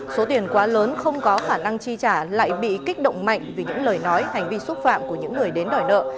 số tiền quá lớn không có khả năng chi trả lại bị kích động mạnh vì những lời nói hành vi xúc phạm của những người đến đòi nợ